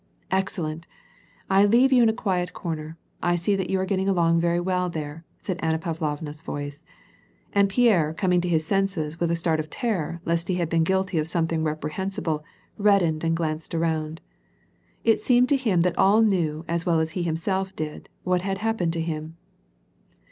" Excellent ! I leave you in your quiet corner. I see you are getting along very well there," * said Anna Pavlovna's voice. And Pierre coming to his senses with a start of terror lest he had been guilty of something reprehensible, reddened and glanced around. It seemed to him that all knew as well as he himself did, what had happened to him.